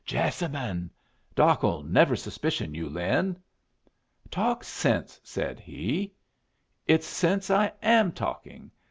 "Jessamine! Doc'll never suspicion you, Lin." "Talk sense," said he. "It's sense I'm talking.